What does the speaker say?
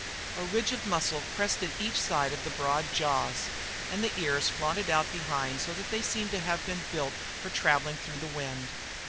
A ridge of muscle crested each side of the broad jaws and the ears flaunted out behind so that he seemed to have been built for travelling through the wind.